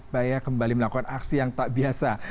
baya kembali melakukan aksi yang tak biasa